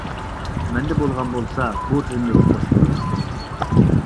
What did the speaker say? مەندە بولغان بولسا بۇ تىزىملىككە قوشۇپ قوياتتىم!